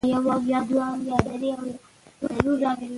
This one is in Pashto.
آیا دغه فاتح به د تل لپاره د افغانستان په تاریخ کې وځلیږي؟